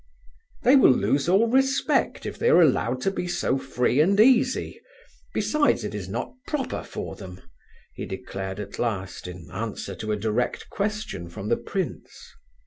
"They will lose all respect if they are allowed to be so free and easy; besides it is not proper for them," he declared at last, in answer to a direct question from the prince.